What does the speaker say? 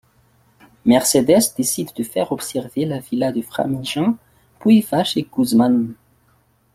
Mercedes décide de faire observer la villa de Framinjan, puis va chez Guzman.